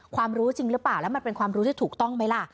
รู้จริงหรือเปล่าแล้วมันเป็นความรู้ที่ถูกต้องไหมล่ะ